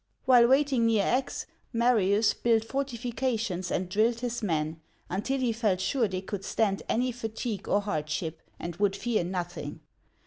While waiting near Aix, Marius built fortifications and drilled his men, until he felt sure they could stand any fatigue or hardship, and would fear nothing.